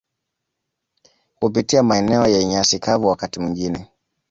kupitia maeneo yenye nyasi kavu wakati mwingine